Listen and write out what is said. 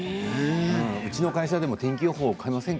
うちの会社でも天気予報を買いませんか？